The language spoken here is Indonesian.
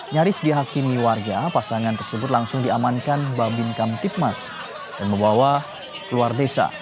nyaris dihakimi warga pasangan tersebut langsung diamankan babin kamtipmas dan membawa keluar desa